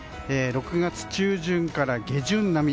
６月中旬から下旬並み。